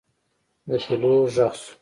د پیلوټ غږ شو.